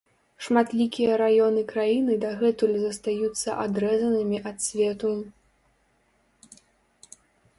Шматлікія раёны краіны дагэтуль застаюцца адрэзанымі ад свету.